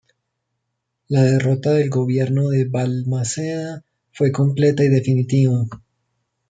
La derrota del gobierno de Balmaceda fue completa y definitiva.